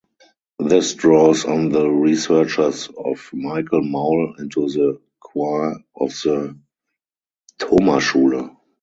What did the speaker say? This draws on the researches of Michael Maul into the choir of the Thomasschule.